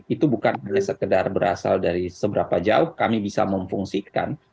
itu bukan hanya sekedar berasal dari seberapa jauh kami bisa memfungsikan